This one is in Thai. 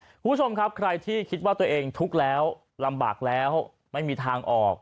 คุณผู้ชมครับใครที่คิดว่าตัวเองทุกข์แล้วลำบากแล้วไม่มีทางออก